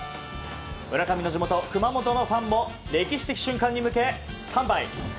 村上の地元・熊本のファンも歴史的瞬間に向けスタンバイ。